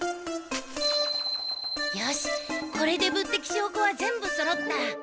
よしこれで物的証拠は全部そろった。